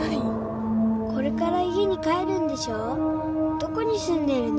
どこに住んでるの？